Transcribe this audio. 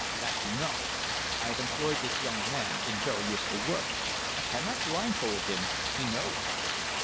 "That you know. I have employed this young man in very useful work. I cannot blindfold him. He knows."